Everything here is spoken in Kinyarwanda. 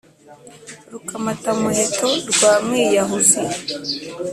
rukamatamuheto rwa mwiyahuzi